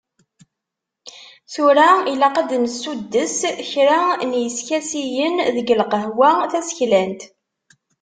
Tura ilaq ad d-nessuddes kra n yiskasiyen deg lqahwa taseklant.